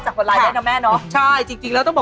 คงสี่ละครับ